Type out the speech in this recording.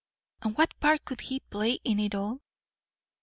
And what part could he play in it all?